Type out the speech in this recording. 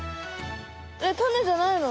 タネじゃないの？